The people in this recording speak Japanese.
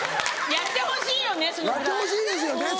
やってほしいですよね。